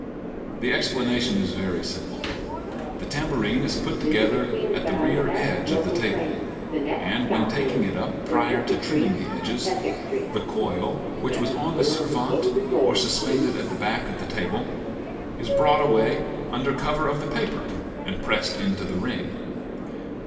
The explanation is very simple. The tambourine is put together at the rear edge of the table, and when taking it up prior to trimming the edges, the coil, which was on the servante or suspended at the back of the table, is brought away under cover of the paper and pressed into the ring.